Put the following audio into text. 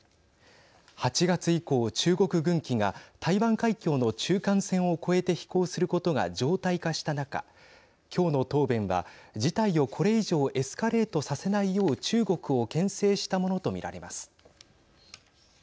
８月以降、中国軍機が台湾海峡の中間線を越えて飛行することが常態化した中今日の答弁は事態をこれ以上エスカレートさせないよう中国をけん制したものと見られます。